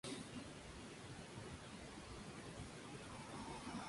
Nativo de Camerún y Gabón.